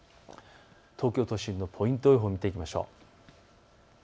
東京都心のポイント予報を見ていきましょう。